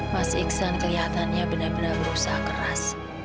mas iksan kelihatannya benar benar berusaha keras